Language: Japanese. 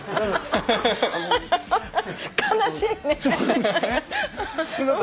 悲しいね。